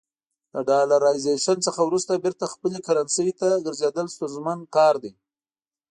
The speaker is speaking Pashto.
د ډالرایزیشن څخه وروسته بیرته خپلې کرنسۍ ته ګرځېدل ستونزمن کار دی.